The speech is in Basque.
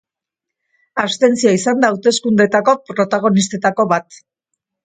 Abstentzioa izan da hauteskundeetako protagonistetako bat.